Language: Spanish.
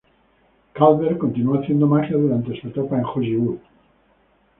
Calvert continuó haciendo magia durante su etapa en Hollywood.